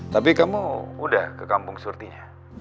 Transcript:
tapi kamu udah ke kampung surti nya